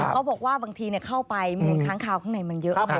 เขาบอกว่าบางทีเข้าไปมูลค้างคาวข้างในมันเยอะมาก